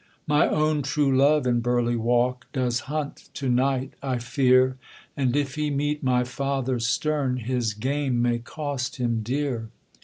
'My own true love in Burley Walk Does hunt to night, I fear; And if he meet my father stern, His game may cost him dear.